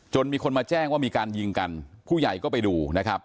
มีคนมาแจ้งว่ามีการยิงกันผู้ใหญ่ก็ไปดูนะครับ